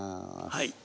はい。